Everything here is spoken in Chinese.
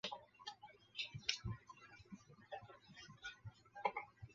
孤立语的语言。